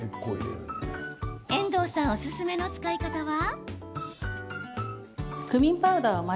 遠藤さんおすすめの使い方は？